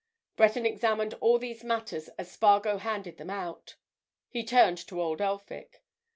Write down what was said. Breton examined all these matters as Spargo handed them out. He turned to old Elphick.